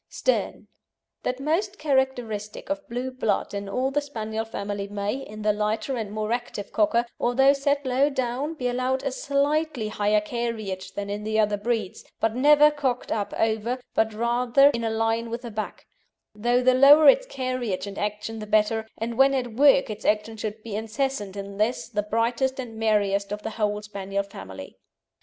STERN That most characteristic of blue blood in all the Spaniel family may, in the lighter and more active Cocker, although set low down, be allowed a slightly higher carriage than in the other breeds, but never cocked up over, but rather in a line with the back, though the lower its carriage and action the better, and when at work its action should be incessant in this, the brightest and merriest of the whole Spaniel family.